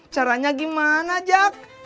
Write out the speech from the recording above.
caranya gimana jak